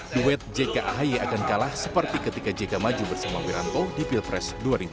duet jk ahy akan kalah seperti ketika jk maju bersama wiranto di pilpres dua ribu dua puluh